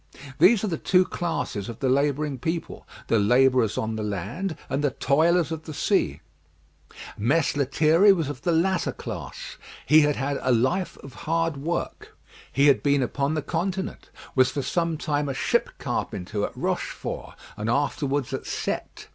These are the two classes of the labouring people; the labourers on the land, and the toilers of the sea. Mess Lethierry was of the latter class; he had had a life of hard work. He had been upon the continent; was for some time a ship carpenter at Rochefort, and afterwards at Cette.